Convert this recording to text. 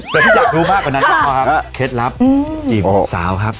แต่ที่อยากรู้มากกว่านั้นก็พอก็เคล็ดลับจีบสาวครับ